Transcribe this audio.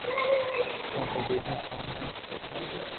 ڪونڪھ ٻآجو ڪون تو ھي ھي ڪوئي ني